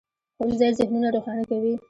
ښوونځی ذهنونه روښانه کوي.